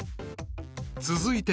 ［続いて］